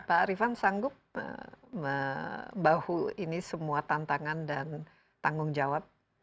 pak arifan sanggup membahu ini semua tantangan dan tanggung jawab